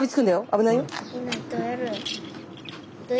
危ないよ。